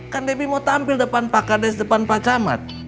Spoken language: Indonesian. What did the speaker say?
kan debbie mau tampil depan pak kades depan pak camat